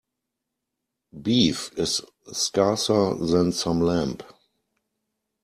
Beef is scarcer than some lamb.